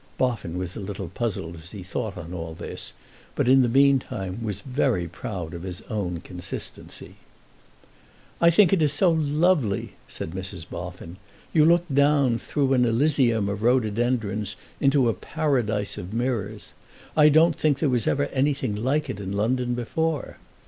Boffin was a little puzzled as he thought on all this, but in the meantime was very proud of his own consistency. "I think it is so lovely!" said Mrs. Boffin. "You look down through an Elysium of rhododendrons into a Paradise of mirrors. I don't think there was ever anything like it in London before."